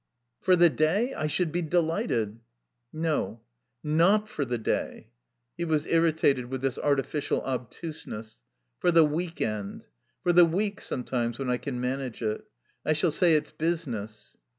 "For the day I should be delighted." "No. Not for the day." He was irritated with this artificial obtuseness. "For the week end. For the week, sometimes, when I can manage it. I shall say it's business."